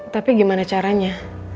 tapi gimana caranya